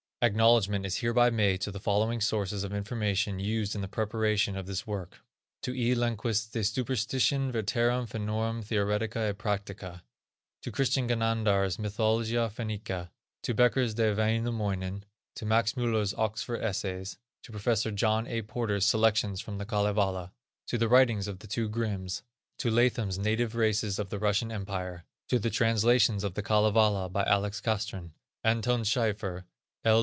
Acknowledgment is hereby made to the following sources of information used in the preparation of this work: to E. Lenquist's De Superstitione veterum Fennorum theoretica et practica; to Chr. Ganander's Mythologia Fennica; to Becker's De Vainamoine; to Max Müller's Oxford Essays; to Prof. John A. Porter's Selections from the Kalevala; to the writings of the two Grimms; to Latham's Native Races of the Russian Empire; to the translations of the Kalevala by Alex. Castrén, Anton Schieffier, L.